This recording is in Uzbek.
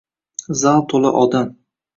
Zal to`la odam